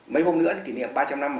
mấy hôm nữa kỷ niệm ba trăm linh năm